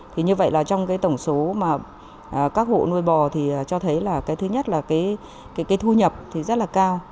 thì như vậy là trong cái tổng số mà các hộ nuôi bò thì cho thấy là cái thứ nhất là cái thu nhập thì rất là cao